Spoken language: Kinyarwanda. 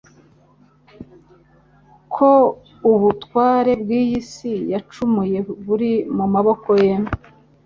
ko ubutware bw’iyi si yacumuye buri mu maboko ye.